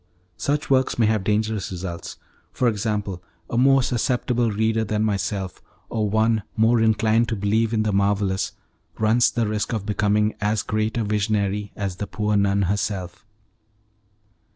Such works may have dangerous results; for example, a more susceptible reader than myself, or one more inclined to believe in the marvellous, runs the risk of becoming as great a visionary as the poor nun herself.